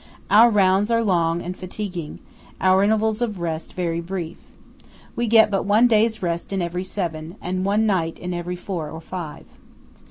Our rounds are long and fatiguing–our intervals of rest, very brief. We get but one day's rest in every seven, and one night in every four or five."